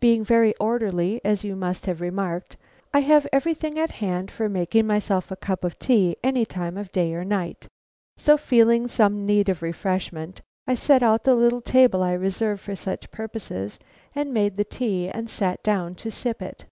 Being very orderly, as you must have remarked, I have everything at hand for making myself a cup of tea at any time of day or night; so feeling some need of refreshment, I set out the little table I reserve for such purposes and made the tea and sat down to sip it.